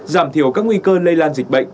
giảm thiểu các nguy cơ lây lan dịch bệnh